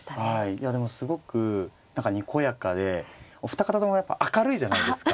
いやでもすごく何かにこやかでお二方ともやっぱ明るいじゃないですか。